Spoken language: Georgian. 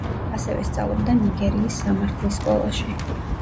ასევე სწავლობდა ნიგერიის სამართლის სკოლაში.